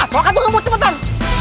ah sokat tuh ngebut cepetan